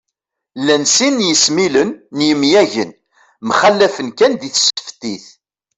Llan sin n yesmilen n yemyagen, mxallafen kan di tseftit